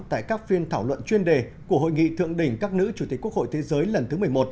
tại các phiên thảo luận chuyên đề của hội nghị thượng đỉnh các nữ chủ tịch quốc hội thế giới lần thứ một mươi một